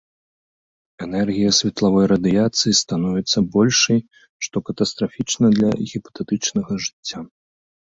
Энергія светлавой радыяцыі становіцца большай, што катастрафічна для гіпатэтычнага жыцця.